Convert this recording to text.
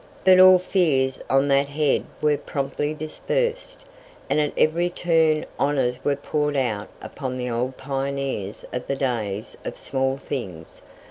But all fears on that head were promptly dispersed, and at every turn honours were poured out upon the "old pioneers" of the days of small things.